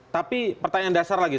tapi pertanyaan dasar lagi